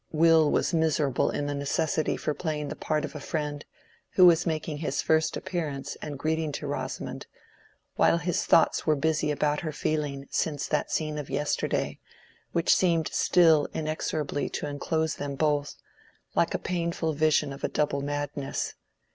Will was miserable in the necessity for playing the part of a friend who was making his first appearance and greeting to Rosamond, while his thoughts were busy about her feeling since that scene of yesterday, which seemed still inexorably to enclose them both, like the painful vision of a double madness.